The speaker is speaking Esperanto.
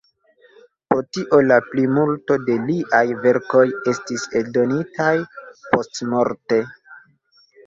Pro tio la plimulto de liaj verkoj estis eldonitaj postmorte.